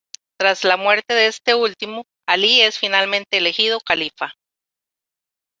Tras la muerte de este último, Alí es finalmente elegido califa.